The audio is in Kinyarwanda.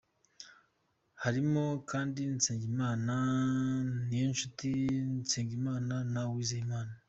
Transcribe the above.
Harimo kandi Nsengimana, Niyonshuti, Nsengimana na Uwizeyimana.